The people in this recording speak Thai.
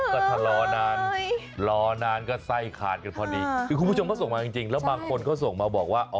ก็ทะลอนานรอนานก็ไส้ขาดกันพอดีคือคุณผู้ชมเขาส่งมาจริงแล้วบางคนเขาส่งมาบอกว่า